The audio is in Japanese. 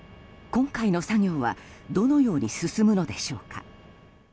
今回の作業はどのように進むのでしょうか。